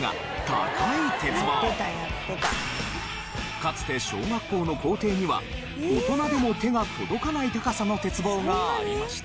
かつて小学校の校庭には大人でも手が届かない高さの鉄棒がありました。